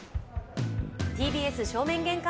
ＴＢＳ正面玄関